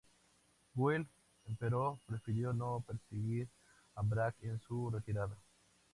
Buell, empero, prefirió no perseguir a Bragg en su retirada.